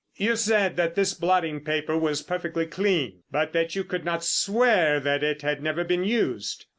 "You said that this blotting paper was perfectly clean, but that you could not swear that it had never been used?